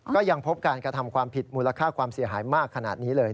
ก็ยังพบการกระทำความผิดมูลค่าความเสียหายมากขนาดนี้เลย